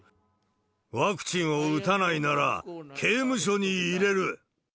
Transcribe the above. ワクチンを打たないなら、刑務所に入れる。